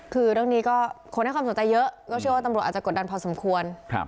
คือเรื่องนี้ก็คนให้ความสนใจเยอะก็เชื่อว่าตำรวจอาจจะกดดันพอสมควร